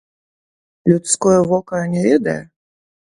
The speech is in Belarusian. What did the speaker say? Людское вока не ведае?